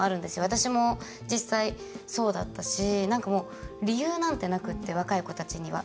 私も実際そうだったしなんかもう理由なんてなくって若い子たちには。